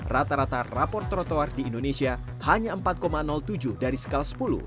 rata rata rapor trotoar di indonesia hanya empat tujuh dari skala sepuluh